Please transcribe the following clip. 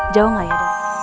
jauh gak ya